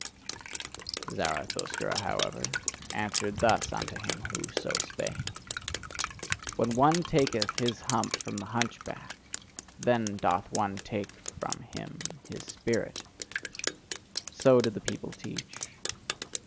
Zarathustra, however, answered thus unto him who so spake: When one taketh his hump from the hunchback, then doth one take from him his spirit so do the people teach.